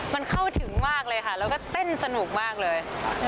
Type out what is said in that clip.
มันเข้าถึงมากเลยค่ะแล้วก็เต้นสนุกมากเลย